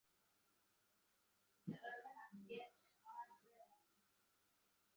নিসার আলি বাসায় ফিরলেন এগারটার সময়।